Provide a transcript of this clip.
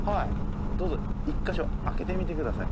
どうぞ１か所開けてみてください。